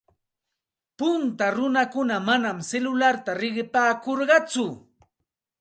Punta runakuna manam silularta riqipaakurqatsu.